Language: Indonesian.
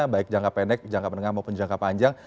baik jangka pendek jangka menengah maupun jangka panjang